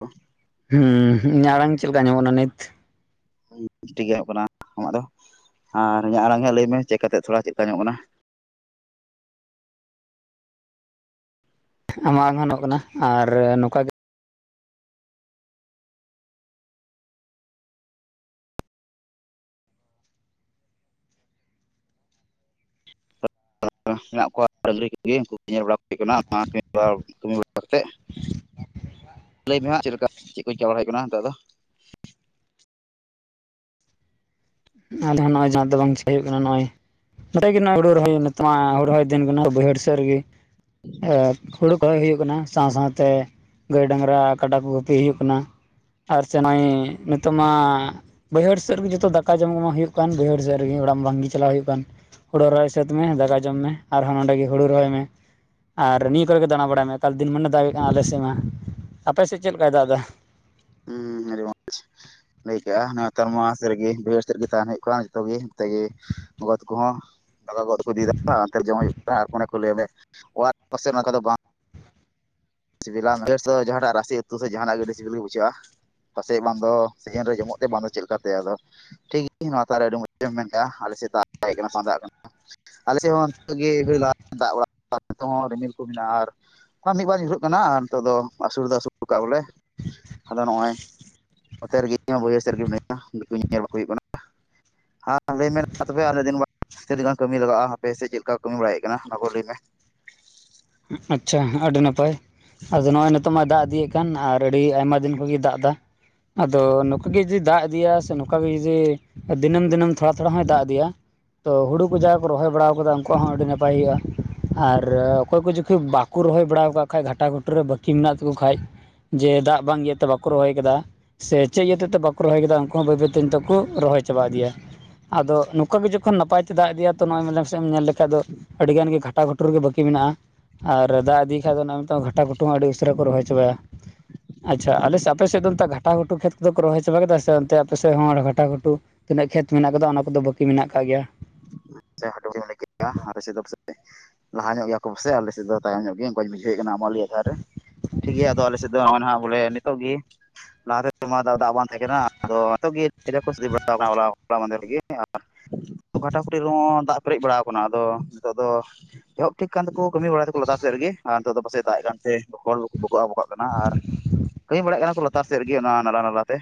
ᱚᱷ ᱦᱩᱸ ᱤᱧᱟᱜ ᱟᱲᱟᱝ ᱪᱮᱫ ᱠᱟ ᱟᱡᱚᱢᱚᱜ ᱠᱟᱱᱟ ᱱᱤᱛ ᱴᱷᱤᱠ ᱜᱮ ᱟᱸᱡᱢᱚᱜ ᱠᱟᱱᱟ ᱟᱢᱟᱜ ᱫᱚ ᱟᱨ ᱤᱧᱟᱹᱜ ᱟᱲᱟᱝ ᱜᱮᱦᱟᱜ ᱞᱟᱹᱭᱢᱮ ᱪᱮᱫ ᱠᱟᱛᱮᱜ ᱛᱷᱚᱲᱟ ᱪᱮᱫ ᱠᱟ ᱟᱸᱡᱢᱚᱜ ᱠᱟᱱᱟ ᱟᱢᱟᱜ ᱦᱚ ᱜᱷᱟᱱᱚᱜ ᱠᱟᱱᱟ ᱟᱨ ᱱᱚᱝᱠᱟ ᱜᱮ [inaudible] ᱢᱮᱱᱟᱜ ᱠᱚᱣᱟ [inaudible] ᱞᱟᱹᱭ ᱢᱮᱦᱟᱜ ᱪᱮᱫᱞᱮᱠᱟ ᱪᱮᱫ ᱠᱚ ᱪᱤᱠᱟᱹ ᱵᱟᱲᱟ ᱦᱩᱭᱩᱜ ᱠᱟᱱᱟ ᱱᱤᱛᱚᱜ ᱫᱚ ᱟ ᱫᱚ ᱱᱚᱜᱼᱚᱭ ᱡᱟᱦᱟ ᱫᱚ ᱵᱟᱝ ᱪᱤᱠᱟ ᱦᱩᱭᱩᱜ ᱠᱟᱱᱟ ᱱᱚᱜᱼᱚᱭ [unintelligible] ᱱᱤᱛ ᱢᱟ ᱦᱩᱲᱩ ᱨᱚᱦᱚᱭ ᱫᱤᱱ ᱠᱟᱱᱟ ᱛᱚ ᱵᱚᱭᱦᱟ. ᱲ ᱥᱮ ᱨᱮᱜᱮ ᱮᱫ ᱠᱷᱩᱲᱩ ᱠᱚ ᱨᱚᱭ ᱦᱩᱭᱩᱜ ᱠᱟᱱᱟ ᱥᱟᱶ ᱥᱟᱶ ᱛᱮ ᱜᱟᱹᱭ ᱰᱟᱝᱨᱟ ᱠᱟᱰᱟ ᱠᱚ ᱜᱩᱯᱤ ᱦᱩᱭᱩᱜ ᱠᱟᱱᱟ ᱟᱨ ᱪᱟᱱᱟᱭᱤ ᱱᱤᱛᱚᱜ ᱢᱟ ᱵᱟᱹᱭᱦᱟᱹᱲ ᱥᱮᱫ ᱨᱮᱜᱮ ᱡᱚᱛᱚ ᱫᱟᱠᱟ ᱡᱚᱢ ᱠᱩᱢᱟ ᱦᱩᱭᱩᱜ ᱠᱟᱱ ᱵᱟᱹᱭᱦᱟᱹᱲ ᱥᱮᱫ ᱨᱮ ᱜᱮ ᱚᱲᱟᱜ ᱢᱟ ᱵᱟᱝ ᱜᱮ ᱪᱟᱞᱟᱜ ᱦᱩᱭᱩᱜ ᱠᱟᱱ ᱦᱳᱲᱳ ᱨᱚᱦᱚᱭ ᱥᱟᱹᱛ ᱢᱮ ᱫᱟᱠᱟ ᱡᱚᱢ ᱢᱮ ᱟᱨᱦᱚᱸ ᱱᱚᱸᱰᱮ ᱜᱮ ᱦᱩᱲᱩ ᱨᱚᱦᱚᱭ ᱢᱮ ᱟᱨ ᱱᱤᱭᱟᱹ ᱠᱚᱨᱮ ᱜᱮ ᱫᱟᱬᱟ ᱵᱟᱲᱟᱭ ᱢᱮ ᱮᱠᱟᱞ ᱫᱤᱱᱢᱟᱱᱮ ᱫᱟᱜ ᱦᱩᱭᱩᱜ ᱠᱟᱱ ᱟᱞᱮ ᱥᱮᱫ ᱢᱟ ᱟᱯᱮ ᱥᱮᱫ ᱪᱮᱫ ᱞᱮᱠᱟᱭ ᱫᱟᱜ ᱫᱟ ᱦᱩᱸ ᱟᱰᱤ ᱢᱚ [inaudible] ᱞᱟᱹᱭ ᱠᱟᱜ-ᱟ ᱱᱚᱣᱟ ᱛᱟᱨ ᱢᱟ ᱥᱮᱜ ᱨᱮᱜᱮ ᱵᱟ. ᱭᱦᱟ. ᱲ ᱥᱮᱫ ᱨᱮᱜᱮ ᱛᱟᱦᱮᱸᱱ ᱦᱩᱭᱩᱜ ᱠᱟᱱ ᱡᱚᱛᱚ ᱜᱮ ᱱᱚᱛᱮᱜᱮ ᱜᱚᱜᱚ ᱛᱟᱠᱚ ᱦᱚᱸ ᱫᱟᱫᱟ ᱛᱟᱠᱚ ᱫᱤᱫᱟ [inaudible] ᱚᱱᱛᱮ ᱨᱮ ᱡᱚᱢ ᱦᱩᱭᱩᱜ ᱠᱟᱱᱟ ᱟᱨ ᱚᱱᱮ ᱠᱚ ᱞᱟᱹᱭ ᱢᱮ ᱚᱲᱟᱜ ᱯᱟᱥᱮ ᱱᱚᱣᱟ ᱠᱚᱫᱚ ᱵᱟᱝ ᱥᱤᱵᱤᱞᱟ [unintelligible] ᱡᱟᱦᱟ ᱴᱟᱜ ᱨᱟᱥᱤ ᱩᱛᱩ ᱥᱮ ᱡᱟᱦᱟᱱᱟᱜ ᱜᱟᱹᱰᱤ ᱥᱤᱵᱤᱞᱤ ᱜᱮ ᱵᱩᱡ ᱪᱩᱜ-ᱟ ᱯᱟᱥᱮᱡ ᱵᱟᱝ ᱫᱚ ᱥᱤᱡᱤᱱ ᱨᱮ ᱡᱚᱢᱚᱜ ᱛᱮ ᱵᱟᱝᱫᱚ ᱪᱮᱫ ᱞᱮᱠᱟᱛᱮ ᱟᱫᱚ ᱴᱷᱤ [inaudible] ᱱᱚᱣᱟ ᱛᱟᱨᱮ ᱟᱹᱰᱤ ᱢᱚᱸᱡᱽ ᱮᱢ ᱢᱮᱱᱠᱼᱟ ᱟᱞᱮᱥᱮᱫ ᱫᱟᱜ [inaudible] ᱦᱮᱡ ᱠᱟᱱᱟ ᱥᱮ ᱵᱟᱝ ᱫᱟᱜ [inaudible] ᱱᱟ ᱟᱞᱮᱥᱮᱫ ᱦᱚ ᱱᱤᱛᱚᱜ ᱜᱮ [inaudible] ᱜᱟᱨ ᱞᱟᱦᱟ [inaudible] ᱫᱟᱜ ᱵᱟᱲᱟ ᱱᱤᱛᱚᱜ ᱦᱚ ᱨᱤᱢᱤᱞ ᱠᱚ ᱢᱮᱱᱟᱜᱼᱟ ᱟᱨ ᱠᱟ ᱢᱤᱫ ᱵᱟᱨ ᱧᱩᱨᱦᱟᱹᱜ ᱠᱟᱱᱟ ᱟᱨ ᱱᱤᱛᱚᱜ ᱫᱚ ᱟᱹᱥᱩᱲ ᱫᱚ ᱟᱹᱥᱩ [inaudible] ᱠᱟᱜᱼᱟ ᱵᱚᱞᱮ ᱟᱫᱚ ᱱᱚᱜᱼᱚᱭ ᱱᱚᱛᱮ ᱨᱮᱜᱮ [inaudible] ᱤᱧᱦᱚ ᱵᱟᱹᱭᱦᱟᱹᱲ ᱥᱮᱫ ᱨᱮᱜᱮ ᱢᱤᱱᱟᱹ [inaudible] ᱟ [inaudible] ᱟ [inaudible] ᱫᱤᱱᱟᱜ ᱫᱤᱱ ᱜᱟᱱ ᱠᱟᱹᱢᱤ ᱞᱟᱜᱟᱜᱼᱟ ᱦᱟᱯᱮ ᱥᱮ ᱪᱮᱫᱠᱟ ᱠᱟᱹᱢᱤ ᱵᱟᱲᱟᱭᱮᱜ ᱠᱟᱱᱟ ᱚᱱᱟ ᱠᱚ ᱞᱟᱹᱭ ᱢᱮ ᱟᱪᱪᱷᱟ ᱟᱹᱰᱤ ᱱᱟᱯᱟᱭ ᱟᱫᱚ ᱱᱚᱜ ᱚᱭ ᱱᱤᱛᱚᱜ ᱢᱟᱭ ᱫᱟᱜ ᱤᱫᱤᱭᱮᱫ ᱠᱟᱱ ᱟᱨ ᱟᱹᱰᱤ ᱟᱭᱢᱟ ᱫᱤᱱ ᱠᱷᱚᱜᱮ ᱫᱟᱜ ᱫᱟ ᱟᱫᱚ ᱱᱚᱝᱠᱟᱜ ᱜᱮ ᱡᱩᱫᱤ ᱫᱟᱜ ᱤᱫᱤᱭᱟ ᱥᱮ ᱱᱚᱝᱠᱟ ᱜᱮ ᱡᱩᱫᱤ ᱫᱤᱱᱟ. ᱢ ᱫᱤᱱᱟᱹᱢ ᱛᱷᱚᱲᱟ ᱛᱷᱚᱲᱟ ᱦᱚᱭ ᱫᱟᱜ ᱤᱫᱤᱭᱟ ᱛᱚ ᱦᱩᱲᱩ ᱠᱚ ᱡᱟᱦᱟᱭ ᱠᱚ ᱨᱚᱦᱚᱭ ᱵᱟᱲᱟᱣ ᱠᱟᱫᱟ ᱩᱱᱠᱩᱣᱟᱜ ᱦᱚ ᱟᱹᱰᱤ ᱱᱟᱯᱟᱭ ᱦᱩᱭᱩᱜᱼᱟ ᱟᱨ ᱚᱠᱚᱭ ᱠᱚ ᱡᱚᱠᱷᱟᱡ ᱵᱟᱠᱚ ᱨᱚᱦᱚᱭ ᱵᱟᱲᱟᱹᱣ ᱠᱟᱜ ᱠᱷᱟᱡ ᱜᱷᱟᱴᱟ ᱜᱷᱩᱴᱩ ᱨᱮ ᱵᱟᱹᱠᱤ ᱢᱮᱱᱟᱜ ᱛᱟᱠᱚ ᱠᱷᱟᱡ ᱡᱮ ᱫᱟᱜ ᱵᱟᱝ ᱤᱭᱟᱹᱛᱮ ᱵᱟᱠᱚ ᱨᱚᱦᱚᱭ ᱠᱟᱫᱟ ᱥᱮ ᱪᱮᱫ ᱤᱭᱟᱹ ᱛᱮᱛᱮ ᱵᱟᱠᱚ ᱨᱚᱦᱚᱭ ᱠᱟᱫᱟ ᱩᱱᱠᱩ ᱦᱚ ᱵᱟᱹᱭ ᱵᱟᱹᱭ ᱛᱮ ᱱᱤᱛᱚᱜ ᱠᱚ ᱨᱚᱦᱚᱭ ᱪᱟᱵᱟ ᱤᱫᱤᱭᱟ ᱟᱫᱚ ᱱᱚᱝᱠᱟ ᱜᱮ ᱡᱚᱠᱷᱚᱱ ᱱᱟᱯᱟᱭ ᱛᱮ ᱫᱟᱜ ᱤᱫᱤᱭᱟ ᱛᱚ ᱱᱚᱭ ᱢᱮᱞᱮ ᱢᱮᱥᱮ ᱮᱢ ᱧᱮᱞ ᱞᱮᱠᱷᱟᱡ ᱫᱚ ᱟᱹᱰᱤ ᱜᱟᱱ ᱜᱮ ᱜᱷᱟᱴᱟ ᱜᱷᱩᱴᱩ ᱨᱮ ᱵᱟᱹᱠᱤ ᱢᱮᱱᱟᱜᱼᱟ ᱟᱨ ᱫᱟᱜ ᱤᱫᱤ ᱠᱷᱟᱡ ᱚᱱᱟ ᱢᱟ ᱫᱚ ᱜᱷᱟᱴᱟ ᱜᱷᱩᱴ ᱴᱩ ᱟᱹᱰᱤ ᱩᱥᱟᱹᱨᱟ ᱠᱚ ᱨᱚᱦᱚᱭ ᱪᱟᱵᱟᱭᱟ ᱟᱪᱪᱷᱟ ᱟᱞᱮ ᱥᱮ ᱟᱯᱮ ᱥᱮᱫ ᱫᱚ ᱚᱱᱛᱮ ᱜᱷᱟᱴᱟ ᱜᱷᱩᱴᱩ ᱠᱷᱮᱛ ᱫᱚ ᱠᱚ ᱨᱚᱦᱚᱭ ᱪᱟᱵᱟ ᱠᱮᱫᱟ ᱥᱮ ᱚᱱᱛᱮ ᱟᱯᱮ ᱥᱮᱫ ᱦᱚ ᱜᱷᱟᱴᱟ ᱜᱷᱩᱴᱩ ᱛᱤᱱᱟᱹᱜ ᱠᱷᱮᱛ ᱢᱮᱱᱟᱜ ᱟᱠᱟᱫᱟ ᱚᱱᱟ ᱠᱚᱫᱚ ᱵᱟᱹᱠᱤ ᱢᱮᱱᱟᱜ ᱠᱟᱜ ᱜᱮᱭᱟ ᱡᱟᱦᱟ ᱴᱩᱝᱨᱤᱢ ᱞᱟᱹᱭ ᱠᱮᱫᱟ ᱟᱯᱮᱥᱮᱫ ᱫᱚ ᱯᱟᱥᱮ ᱞᱟᱦᱟ ᱧᱚᱜ ᱜᱮᱭᱟ ᱠᱚ ᱯᱟᱥᱮ ᱟᱞᱮᱥᱮᱫ ᱫᱚ ᱛᱟᱭᱚᱢ ᱧᱚᱜ ᱜᱤᱭᱟᱹᱧ ᱠᱟᱹᱧ ᱵᱩᱡᱷᱟᱹᱣᱮᱜ ᱠᱟᱱᱟ ᱟᱢᱚᱞᱤᱭᱟᱹ ᱫᱷᱟᱨ ᱨᱮ ᱴᱷᱤᱠ ᱜᱮᱭᱟ ᱟᱫᱚ ᱟᱞᱮᱥᱮᱫ ᱫᱚ ᱱᱚᱜᱼᱚ ᱱᱟ ᱵᱚᱞᱮ ᱱᱤᱛᱚᱜ ᱜᱮ ᱞᱟᱦᱟ [inaudible] ᱫᱟᱜ ᱵᱟᱝ ᱛᱟᱦᱮᱸ ᱠᱟᱱᱟ ᱟᱫᱚ ᱱᱮᱛᱚᱜ ᱜᱮ [inaudible] ᱴᱤ ᱮᱦᱚᱸ ᱫᱟᱜ ᱯᱮᱨᱮᱡ ᱵᱟᱲᱟᱣ ᱟᱠᱟᱱᱟ ᱟᱫᱚ ᱱᱤᱛᱚᱜ ᱫᱚ ᱾ ᱮᱦᱚᱵ ᱴᱷᱤᱠ ᱠᱟᱱ ᱛᱟᱠᱚ ᱠᱟᱹᱢᱤ ᱵᱟᱲᱟᱭᱟ ᱫᱟᱠᱚ ᱞᱟᱛᱟᱨ ᱥᱮᱫ ᱨᱮᱜᱮ ᱟᱨ ᱱᱤᱛᱚᱜ ᱫᱚ ᱯᱟᱥᱮ ᱫᱟᱜ ᱮᱫ ᱠᱟᱱᱛᱮ [unintelligible] ᱵᱚᱠᱚᱜ ᱟᱵᱚᱠᱟᱜ ᱠᱟᱱᱟ ᱟᱨ ᱠᱟᱹᱢᱤ ᱵᱟᱲᱟᱭ ᱠᱟᱱᱟ ᱠᱚ ᱞᱟᱛᱟᱨ ᱥᱮᱫ ᱨᱮᱜᱮ ᱚᱱᱟ ᱱᱟᱞᱟ ᱱᱟᱞᱟ ᱛᱮ᱾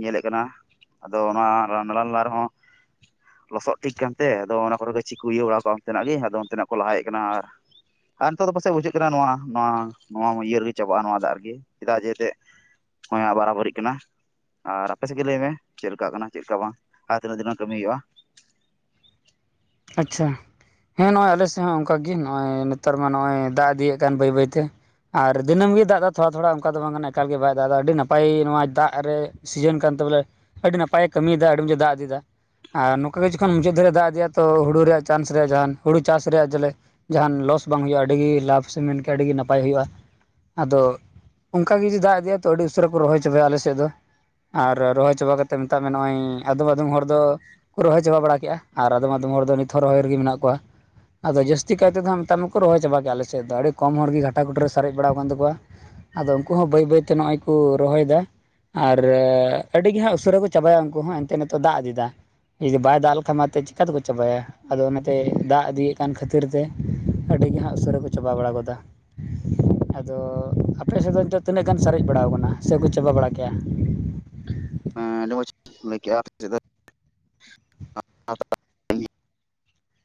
ᱧᱮᱞᱮᱜ ᱠᱟᱱᱟ ᱟᱫᱚ ᱚᱱᱟ ᱱᱟᱞᱟᱼᱱᱟᱞᱟ ᱨᱮᱦᱚᱸ ᱞᱚᱥᱚᱫ᱾ ᱴᱷᱤᱠ ᱠᱟᱱᱛᱮ ᱟᱫᱚ ᱚᱱᱟ ᱠᱚᱨᱮ ᱜᱟᱹᱪᱷᱤ ᱠᱚ ᱤᱭᱟᱹ ᱵᱟᱲᱟᱣ ᱠᱚᱣᱟ ᱚᱱᱛᱮ ᱱᱟᱜ ᱜᱮ ᱟᱫᱚ ᱚᱱᱛᱮᱱᱟᱜ ᱠᱚ ᱞᱟᱦᱟᱭᱮᱫ ᱠᱟᱱᱟ ᱟᱨ, ᱟᱨ ᱱᱤᱛᱚᱜ ᱫᱚ ᱯᱟᱥᱮᱡ ᱵᱩᱡᱷᱟᱹᱜ ᱠᱟᱱᱟ ᱱᱚᱣᱟ ᱱᱚᱣᱟ ᱱᱚᱣᱟ ᱤᱭᱟᱹ ᱨᱮᱜᱮ ᱪᱟᱵᱟᱜᱼᱟ ᱱᱚᱣᱟ ᱫᱟᱜ ᱨᱮᱜ ᱪᱮᱫᱟᱜ ᱡᱮᱛᱮᱜ᱾ ᱦᱚᱸᱭᱟᱜ ᱵᱟᱨᱟ ᱵᱟᱹᱨᱤᱜ ᱠᱟᱱᱟ᱾ ᱟᱨ ᱟᱯᱮ ᱥᱮᱫ ᱜᱮ ᱞᱟᱹᱭ ᱢᱮ ᱪᱮᱫ ᱞᱮᱠᱟᱜ ᱠᱟᱱᱟ ᱪᱮᱫ ᱞᱮᱠᱟ ᱵᱟᱝ ᱟᱨ ᱛᱤᱱᱟᱹᱜ ᱫᱤᱱ ᱨᱮᱱᱟᱝ ᱠᱟᱹᱢᱤ ᱦᱩᱭᱩᱜᱼᱟ᱾ ᱟᱪᱪᱷᱟ᱾ ᱦᱮᱸ ᱱᱚᱜᱼᱚᱭ ᱟᱞᱮ ᱥᱮᱫ ᱦᱚᱸ ᱚᱱᱠᱟ ᱜᱮ ᱱᱚᱜᱚᱭ ᱱᱮᱛᱟᱨ ᱢᱟ ᱱᱚᱜ ᱚᱭ ᱫᱟᱜ ᱤᱫᱤᱭᱮᱫ ᱠᱟᱱ ᱵᱟᱹᱭ ᱵᱟᱹᱭᱛᱮ᱾ ᱟᱨ ᱫᱤᱱᱟᱹᱢ ᱜᱮ ᱫᱟᱜᱽ ᱫᱟ ᱛᱷᱚᱲᱟᱼ ᱛᱷᱚᱲᱟ ᱚᱱᱠᱟ ᱫᱚ ᱵᱟᱝ ᱠᱟᱱᱟ ᱮᱠᱟᱞ ᱜᱮ ᱵᱟᱭ ᱫᱟᱜᱽ ᱮᱫᱟ ᱟᱹᱰᱤ ᱱᱟᱯᱟᱭ ᱱᱚᱣᱟ ᱫᱟᱜ ᱨᱮ, ᱥᱤᱡᱮᱱ ᱠᱟᱱᱛᱮ ᱵᱚᱞᱮ ᱟᱹᱰᱤ ᱱᱟᱯᱟᱭᱮ ᱠᱟᱹᱢᱤᱭᱮᱫᱟ ᱟᱹᱰᱤ ᱢᱚᱸᱡᱽ ᱫᱟᱜᱽ ᱤᱫᱤᱭᱮᱫᱟ ᱟᱨ ᱱᱚᱝᱠᱟ ᱜᱮ ᱡᱚᱠᱷᱚᱱ ᱢᱩᱪᱟᱹᱫ ᱫᱷᱟᱹᱨᱤᱡ ᱮ ᱫᱟᱜᱽ ᱤᱫᱤᱭᱟ ᱛᱚ ᱦᱩᱲᱩ ᱨᱮᱭᱟᱜ ᱪᱟᱱᱥ ᱨᱮᱭᱟᱜ ᱡᱟᱦᱟᱱ ᱦᱩᱲᱩ ᱪᱟᱥ ᱨᱮᱭᱟᱜ ᱡᱮᱞᱮ, ᱡᱟᱦᱟᱱ ᱞᱚᱥ ᱵᱟᱝ ᱦᱩᱭᱩᱜᱼᱟ ᱟᱹᱰᱤ ᱞᱟᱵᱷ ᱥᱮ ᱢᱮᱱᱠᱮᱭᱟ ᱟᱹᱰᱤ ᱜᱮ ᱱᱟᱯᱟᱭ ᱦᱩᱭᱩᱜᱼᱟ᱾ ᱟᱫᱚ ᱚᱝᱠᱟ ᱜᱮ ᱡᱩᱫᱤ ᱫᱟᱜᱽ ᱤᱫᱤᱭᱟ ᱛᱚ ᱟᱹᱰᱤ ᱩᱥᱟᱹᱨᱟ ᱠᱚ ᱨᱚᱦᱚᱭ ᱪᱟᱵᱟᱭᱟ ᱟᱞᱮ ᱥᱮᱫ ᱫᱚ᱾ ᱟᱨ ᱨᱚᱦᱚᱭ ᱪᱟᱵᱟ ᱠᱟᱛᱮᱜ ᱢᱮᱛᱟᱜ ᱢᱮ ᱱᱚᱜᱼᱚᱭ ᱟᱫᱚᱢ ᱼ ᱟᱫᱚᱢ ᱦᱚᱲ ᱫᱚ ᱠᱚ ᱨᱚᱦᱚᱭ ᱪᱟᱵᱟ ᱵᱟᱲᱟ ᱠᱮᱫᱼᱟ᱾ᱟᱨ ᱟᱫᱚᱢ ᱼ ᱟᱫᱚᱢ ᱦᱚᱲ ᱫᱚ ᱱᱤᱛ ᱦᱚᱸ ᱨᱚᱦᱚᱭ ᱨᱮᱜᱮ ᱢᱮᱱᱟᱜ ᱠᱚᱣᱟ᱾ ᱟᱫᱚ ᱡᱟᱹᱥᱛᱤ ᱠᱟᱭ ᱛᱮᱫᱚ ᱦᱟᱸᱜ ᱢᱮᱛᱟ ᱢᱮᱠᱚ ᱨᱚᱦᱚᱭ ᱪᱟᱵᱟ ᱜᱮᱭᱟ ᱟᱞᱮᱥᱮᱫ ᱫᱚ ᱟᱹᱰᱤ ᱠᱚᱢ ᱦᱚᱲ ᱜᱮ ᱜᱷᱟᱴᱟ ᱜᱷᱩᱴᱩ ᱨᱮ ᱥᱟᱨᱮᱡ ᱵᱟᱲᱟᱣ ᱠᱟᱱ ᱛᱟᱠᱚᱣᱟ᱾ ᱟᱫᱚ ᱩᱱᱠᱩ ᱦᱚᱸ ᱵᱟᱹᱭᱼᱵᱟᱹᱭ ᱛᱮ ᱱᱚᱜ ᱚᱭ ᱠᱚ ᱨᱚᱦᱚᱭ ᱫᱟ᱾ ᱟᱨ ᱟᱹᱰᱤ ᱜᱮ ᱦᱟᱸᱜ ᱩᱥᱟᱹᱨᱟ ᱠᱚ ᱪᱟᱵᱟᱭᱟ ᱩᱱᱠᱩ ᱦᱚᱸ ᱮᱱᱛᱮᱜ ᱱᱤᱛᱚᱜ ᱫᱟᱜᱽ ᱤᱫᱤᱫᱟ᱾ ᱡᱩᱫᱤ ᱵᱟᱭ ᱫᱟᱜᱽ ᱞᱮᱠᱷᱟᱱ ᱮᱱᱛᱮᱫ ᱪᱤᱠᱟ ᱛᱮᱠᱚ ᱪᱟᱵᱟᱭᱟ ᱟᱫᱚ ᱚᱱᱟᱛᱮ ᱫᱟᱜᱽ ᱤᱫᱤᱭᱮᱫ ᱠᱟᱱ ᱠᱷᱟᱹᱛᱤᱨ ᱛᱮ, ᱟᱹᱰᱤ ᱜᱮ ᱦᱟᱸᱜ ᱩᱥᱟᱹᱨᱟ ᱠᱚ ᱪᱟᱵᱟ ᱵᱟᱲᱟ ᱜᱚᱫᱟ᱾ ᱟᱫᱚ ᱟᱯᱮ ᱥᱮᱫ ᱫᱚ ᱱᱤᱛᱚᱜ ᱛᱤᱱᱟᱹᱜ ᱜᱟᱱ ᱥᱟᱨᱮᱡ ᱵᱟᱲᱟᱣ ᱠᱟᱱᱟ ᱥᱮᱠᱚ ᱪᱟᱵᱟ ᱵᱟᱲᱟ ᱠᱮᱭᱟ᱾ ᱦᱮᱸ ᱟᱹᱰᱤ ᱢᱚᱡ ᱞᱟᱹᱭ ᱠᱮᱭᱟ ᱟᱯᱮᱥᱮᱫ ᱫᱚ,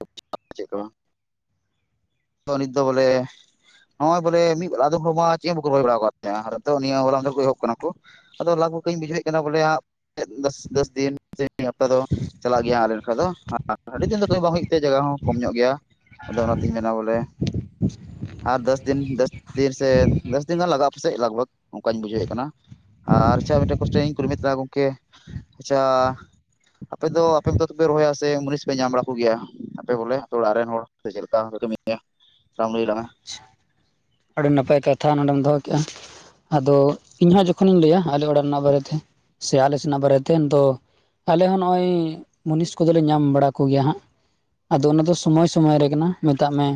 [inaudible] ᱪᱮᱜ ᱠᱚ ᱵᱟᱝ᱾ ᱚ ᱱᱤᱛ ᱫᱚ ᱵᱚᱞᱮ, ᱱᱚᱜ ᱚᱭ ᱵᱚᱞᱮ ᱢᱤᱫ ᱵᱮᱞᱟ ᱟᱫᱚᱢ ᱦᱚᱲ ᱢᱟ ᱪᱮᱫ ᱦᱚᱸ ᱵᱟᱠᱚ ᱨᱚᱦᱚᱭ ᱵᱟᱲᱟ ᱟᱠᱟᱫ ᱛᱟᱦᱮᱸᱜᱼᱟ ᱟᱨ ᱱᱤᱛᱚᱜ ᱱᱤᱭᱟᱹ ᱦᱚᱞᱟ ᱢᱟᱱᱫᱷᱮᱨ ᱮᱦᱚᱵ ᱠᱟᱱᱟ ᱠᱚ, ᱟᱫᱚ ᱞᱟᱵᱷ ᱵᱷᱩᱠᱟᱹᱧ ᱵᱩᱡᱷᱟᱹᱣᱮᱫ ᱠᱟᱱᱟ ᱵᱚᱞᱮ ᱦᱟᱜ ᱫᱚᱥ ᱫᱤᱱ ᱥᱮ ᱢᱤᱫ ᱦᱟᱯᱛᱟ ᱫᱚ᱾ ᱪᱟᱞᱟᱜ ᱜᱮᱭᱟ ᱟᱞᱮ ᱱᱟᱠᱷᱟ ᱫᱚ ᱟᱹᱰᱤ ᱫᱤᱱ ᱫᱚ ᱠᱟᱹᱢᱤ ᱵᱟᱝ ᱦᱩᱭᱩᱜ ᱛᱮ ᱡᱟᱜᱟ ᱦᱚᱸ ᱠᱚᱢ ᱧᱚᱜ ᱜᱮᱭᱟ᱾ ᱟᱫᱚ ᱚᱱᱟᱛᱤᱧ ᱢᱮᱱᱟ ᱵᱚᱞᱮ ᱟᱨ ᱫᱚᱥ ᱫᱤᱱ ᱫᱚᱥ ᱛᱤᱨ ᱥᱮ, ᱫᱚᱥ ᱫᱤᱱ ᱜᱟᱱ ᱞᱟᱜᱟᱜᱼᱟ ᱯᱟᱥᱮᱜ ᱞᱟᱜᱽᱵᱷᱟᱜᱽ ᱚᱱᱠᱟᱧ ᱵᱩᱡᱷᱟᱹᱣᱮᱜ ᱠᱟᱱᱟ᱾ ᱟᱨ ᱟᱪᱪᱷᱟ ᱢᱤᱫᱴᱮᱱ ᱠᱚᱥᱪᱮᱱᱤᱧ ᱠᱩᱞᱤᱢᱮ ᱛᱟᱦᱮᱱᱟ ᱜᱚᱝᱠᱮ ᱟᱪᱪᱷᱟ, ᱟᱯᱮ ᱫᱚ ᱟᱯᱮᱢᱚᱛᱚ ᱨᱚᱦᱚᱭᱟ ᱥᱮ ᱢᱩᱱᱤᱥ ᱯᱮ ᱧᱟᱢ ᱵᱟᱲᱟ ᱠᱚᱜᱮᱭᱟ ᱟᱯᱮ ᱵᱚᱞᱮ ᱟᱯᱮ ᱚᱲᱟᱜ ᱨᱮᱱ ᱦᱚᱲ ᱥᱮ ᱪᱮᱫ ᱞᱮᱠᱟ ᱯᱮ ᱠᱟᱹᱢᱤᱭᱟ᱾ ᱭᱟ [unintelligible] ᱞᱟᱹᱭ ᱞᱟᱝᱟ᱾ ᱟᱹᱰᱤ ᱱᱟᱯᱟᱭ ᱠᱟᱛᱷᱟ ᱱᱚᱰᱮᱢ ᱫᱚᱦᱚ ᱠᱮᱜᱼᱟ ᱟᱫᱚ ᱤᱧᱦᱚᱸ ᱡᱚᱠᱷᱚᱱ ᱚᱠᱷᱚᱱᱤᱧ ᱞᱟᱹᱭᱟ ᱟᱞᱮ ᱚᱲᱟᱜ ᱨᱮᱱᱟᱜ ᱵᱟᱨᱮᱛᱮ᱾ ᱥᱮ ᱟᱞᱮ ᱥᱮᱱᱟᱜ ᱵᱟᱨᱮᱛᱮᱱ ᱫᱚ ᱟᱞᱮ ᱦᱚᱸ ᱱᱚᱜᱼᱚᱭ ᱢᱩᱱᱤᱥ ᱠᱚᱫᱚᱞᱮ ᱧᱟᱢ ᱵᱟᱲᱟ ᱠᱚᱜᱮᱭᱟ ᱦᱟᱸᱜ᱾ ᱟᱫᱚ ᱚᱱᱟ ᱫᱚ ᱥᱚᱢᱚᱭ ᱼ ᱥᱚᱢᱚᱭ ᱨᱮ ᱠᱟᱱᱟ ᱢᱮᱛᱟᱜ ᱢᱮ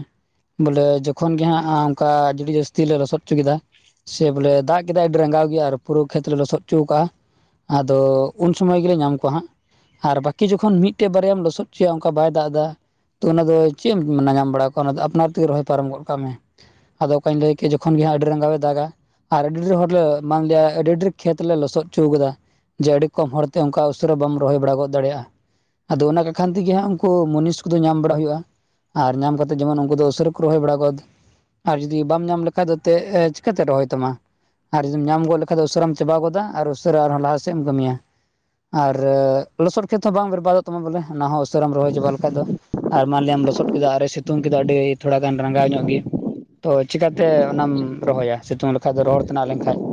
ᱵᱚᱞᱮ ᱡᱚᱠᱷᱚᱱ ᱜᱮ ᱦᱟᱸᱜ ᱟᱢ, ᱚᱱᱠᱟ ᱟᱹᱰᱤ ᱡᱟᱹᱥᱛᱤ ᱞᱮ ᱞᱚᱥᱚᱫ ᱪᱚ ᱠᱮᱫᱟ᱾ ᱥᱮ ᱵᱚᱞᱮ ᱫᱟᱜᱽ ᱠᱮᱫᱟᱭ ᱟᱹᱰᱤ ᱨᱟᱜᱟᱣ ᱜᱮ ᱟᱨ ᱯᱩᱨᱟᱹ ᱠᱷᱮᱛ ᱞᱮ ᱞᱚᱥᱚᱫ ᱦᱚᱪᱚ ᱠᱟᱜᱼᱟ᱾ ᱟᱫᱚ ᱩᱱ ᱥᱚᱢᱚᱭ ᱜᱮᱞᱮ ᱧᱟᱢ ᱠᱚᱣᱟ ᱦᱟᱸᱜ᱾ ᱟᱨ ᱵᱟᱟᱹᱠᱤ ᱡᱚᱠᱷᱚᱱ ᱢᱤᱫᱴᱮ ᱵᱟᱨᱭᱟᱢ ᱞᱚᱥᱚᱫ ᱦᱚᱪᱚᱭᱟ ᱚᱱᱠᱟ ᱵᱟᱭ ᱫᱟᱜᱽ ᱫᱟ, ᱛᱚ ᱚᱱᱟ ᱫᱚ ᱪᱮᱫ ᱮᱢ ᱢᱟᱱᱮ ᱧᱟᱢ ᱵᱟᱲᱟ ᱠᱚᱣᱟ ᱚᱱᱟ ᱫᱚ ᱟᱯᱱᱟᱨ ᱛᱮᱜᱮ ᱨᱚᱦᱚᱭ ᱯᱟᱨᱚᱢ ᱜᱚᱫ ᱠᱟᱜ ᱢᱮ᱾ ᱟᱫᱚ ᱚᱠᱟᱧ ᱞᱟᱹᱭ ᱠᱮ ᱡᱚᱠᱷᱚᱱ ᱜᱮ ᱦᱟᱸ ᱟᱹᱰᱤ ᱨᱟᱸᱜᱟᱣ ᱮ ᱫᱟᱜ-ᱟ᱾ ᱟᱨ ᱟᱹᱰᱤ ᱰᱷᱮᱨ ᱦᱚᱴᱞᱮ ᱢᱟᱱᱞᱮᱭᱟ ᱟᱹᱰᱤ ᱰᱷᱮᱨ ᱠᱷᱮᱛ ᱞᱮ ᱞᱚᱥᱚᱫ ᱦᱚᱪᱚ ᱠᱟᱫᱟ᱾ ᱡᱮ ᱟᱹᱰᱤ ᱠᱚᱢ ᱦᱚᱲᱛᱮ ᱚᱱᱠᱟ ᱩᱥᱟᱹᱨᱟ ᱵᱟᱢ ᱨᱚᱦᱚᱭ ᱵᱟᱲᱟ ᱜᱚᱫ ᱫᱟᱲᱮᱭᱟᱜᱼᱟ᱾ ᱟᱫᱚ ᱚᱱᱟ ᱠᱟᱠᱷᱟᱱ ᱛᱮᱜᱮ ᱦᱟᱸᱜ ᱩᱱᱠᱩ ᱢᱚᱱᱤᱥ ᱠᱚᱫᱚ ᱧᱟᱢ ᱵᱟᱲᱟ ᱦᱩᱭᱩᱜᱼᱟ᱾ ᱟᱨ ᱧᱟᱢ ᱠᱟᱛᱮᱫ ᱡᱮᱢᱚᱱ ᱩᱱᱠᱩ ᱫᱚ ᱩᱥᱟᱹᱨᱟ ᱠᱚ ᱨᱚᱦᱚᱭ ᱵᱟᱲᱟ ᱠᱚᱫ, ᱟᱨ ᱡᱩᱚᱫᱤ ᱵᱟᱢ ᱧᱟᱢ ᱞᱮᱠᱷᱟᱡ ᱫᱚ ᱛᱮᱜ ᱪᱤᱠᱟᱛᱮ ᱨᱚᱦᱚᱭ ᱛᱟᱢᱟ᱾ ᱟᱨ ᱡᱩᱫᱤᱢ ᱧᱟᱢ ᱜᱚᱫ ᱞᱮᱠᱷᱟᱭ ᱫᱚ ᱩᱥᱟᱹᱨᱟᱢ ᱪᱟᱵᱟ ᱜᱚᱫᱟ ᱩᱥᱟᱹ ᱨᱟᱸ ᱦᱚᱢ ᱞᱟᱦᱟᱟᱥᱮᱜ ᱮᱢ ᱠᱟᱹᱢᱤᱭᱟ᱾ ᱟᱨ ᱞᱚᱥᱚᱫ ᱠᱷᱮᱛ ᱦᱚᱸ ᱵᱟᱝ ᱵᱮᱨᱵᱟᱫᱚᱜ ᱛᱟᱢᱟ ᱵᱚᱞᱮ ᱚᱱᱟᱦᱚᱸ ᱩᱥᱟᱹᱨᱟᱢ ᱨᱚᱦᱚᱭ ᱪᱟᱵᱟ ᱞᱮᱠᱷᱟᱡ ᱫᱚ, ᱟᱨ ᱢᱟᱱᱞᱤᱭᱟᱢ ᱞᱚᱥᱚᱫ ᱠᱮᱫᱟ ᱟᱨᱮ ᱥᱤᱛᱩᱝ ᱠᱮᱫᱟ ᱟᱹᱰᱤ ᱛᱷᱚᱲᱟ ᱜᱟᱱ ᱨᱟᱸᱜᱟᱣ ᱧᱚᱜ ᱜᱮ, ᱛᱚ ᱪᱮᱠᱟᱛᱮ ᱚᱱᱟᱢ ᱨᱚᱦᱚᱭᱟ ᱥᱤᱛᱩᱝ ᱞᱮᱠᱷᱟᱡ ᱫᱚ ᱨᱚᱦᱚᱲ ᱛᱮᱱᱟᱜ ᱞᱮᱱᱠᱷᱟᱡ ᱼᱼ